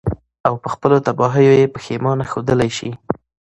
او په خپلو تباهيو ئې پښېمانه ښودلے شي.